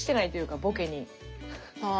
ああ。